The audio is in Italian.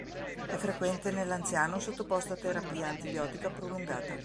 È frequente nell'anziano sottoposto a terapia antibiotica prolungata.